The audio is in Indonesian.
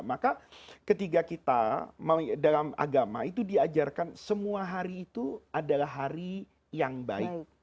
maka ketika kita dalam agama itu diajarkan semua hari itu adalah hari yang baik